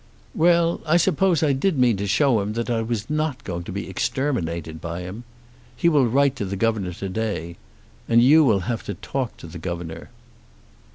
"Well; I suppose I did mean to show him that I was not going to be exterminated by him. He will write to the governor to day. And you will have to talk to the governor."